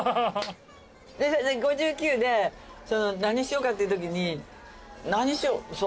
５９で何しようかっていうときに何しよう？